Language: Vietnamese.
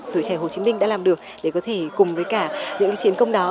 tuổi trẻ hồ chí minh đã làm được để có thể cùng với cả những chiến công đó